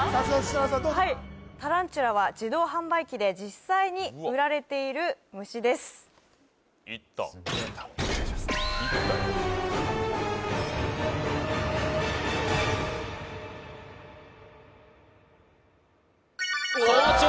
どうぞタランチュラは自動販売機で実際に売られている虫ですいったお願いします